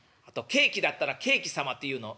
「ケーキだったらケーキ様って言うの？」。